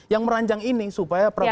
yang merancang ini supaya prabowo